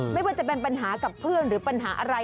ไม่ว่าจะเป็นปัญหากับเพื่อนหรือปัญหาอะไร